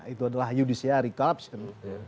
itu adalah judisiari corruption